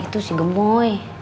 itu si gemoy